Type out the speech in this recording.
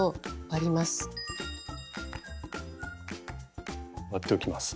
割っておきます。